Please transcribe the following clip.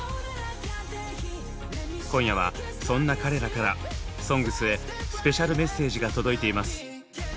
今夜はそんな彼らから「ＳＯＮＧＳ」へスペシャルメッセージが届いています。